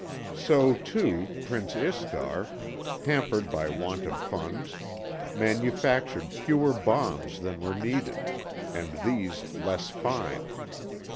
So, too, Prince Istar, hampered by want of funds, manufactured fewer bombs than were needed, and these less fine.